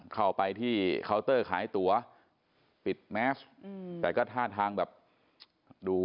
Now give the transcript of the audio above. เข้าไปที่เคาน์เตอร์ขายตั๋วปิดแมสอืมแต่ก็ท่าทางแบบดู